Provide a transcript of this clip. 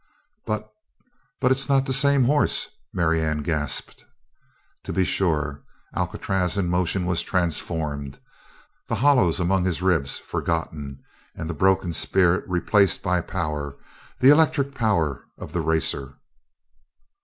"But but it's not the same horse!" Marianne gasped. To be sure, Alcatraz in motion was transformed, the hollows among his ribs forgotten, and the broken spirit replaced by power, the electric power of the racer.